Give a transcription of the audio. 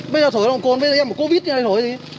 bây giờ thổi nồng cồn bây giờ em có covid như thế này nổi gì